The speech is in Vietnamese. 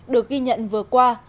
được ghi nhận vừa qua